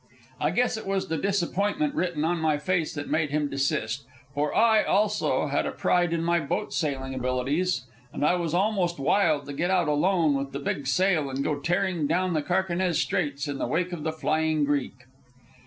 I guess it was the disappointment written on my face that made him desist; for I, also, had a pride in my boat sailing abilities, and I was almost wild to get out alone with the big sail and go tearing down the Carquinez Straits in the wake of the flying Greek.